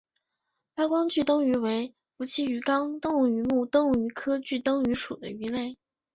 发光炬灯鱼为辐鳍鱼纲灯笼鱼目灯笼鱼科炬灯鱼属的鱼类。